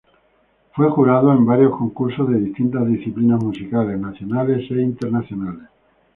Fue jurado en varios concursos de distintas disciplinas musicales, nacionales e internacionales.